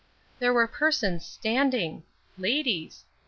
There were persons standing. Ladies!